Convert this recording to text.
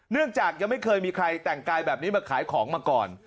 เนื่องจากยังไม่เคยมีใครแต่งกายแบบนี้มาขายของมาก่อน